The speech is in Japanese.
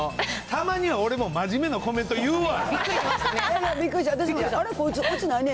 たまには俺も真面目なコメント言うわ。